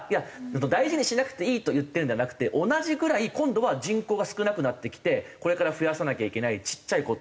大事にしなくていいと言ってるのではなくて同じぐらい今度は人口が少なくなってきてこれから増やさなきゃいけないちっちゃい子とか若者とか。